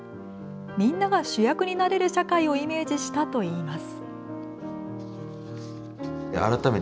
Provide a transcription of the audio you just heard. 「みんなが主役になれる社会」をイメージしたといいます。